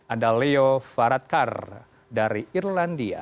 ada leo faradkar dari irlandia